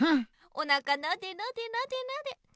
おなかなでなでなで。